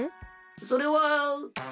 それは。